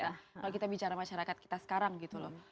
kalau kita bicara masyarakat kita sekarang gitu loh